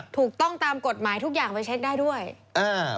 ถูกต้องตามกฎหมายทุกอย่างไปเช็คได้ด้วยอ่า